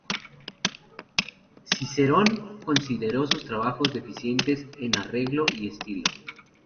Cicerón consideró sus trabajos deficientes en arreglo y estilo.